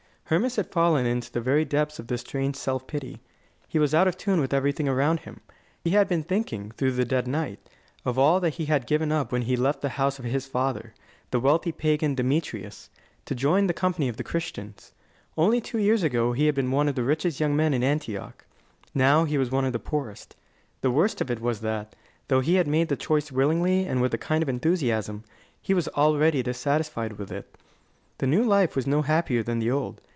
Hermas had fallen into the very depths of this strange self pity. He was out of tune with everything around him. He had been thinking, through the dead night, of all that he had given up when he left the house of his father, the wealthy pagan Demetrius, to join the company of the Christians. Only two years ago he had been one of the richest young men in Antioch. Now he was one of the poorest. The worst of it was that, though he had made the choice willingly and with a kind of enthusiasm, he was already dissatisfied with it. The new life was no happier than the old.